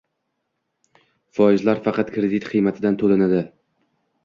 ✅ Foizlar faqat kredit qiymatidan to'lanadi